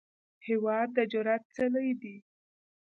هېواد د جرئت څلی دی.